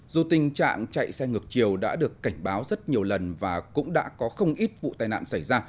dù tình trạng chạy xe ngược chiều đã được cảnh báo rất nhiều lần và cũng đã có không ít vụ tai nạn xảy ra